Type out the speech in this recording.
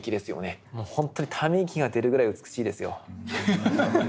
もうほんとにため息が出るぐらい美しいですよ。